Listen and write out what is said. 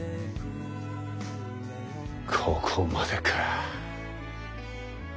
ここまでか。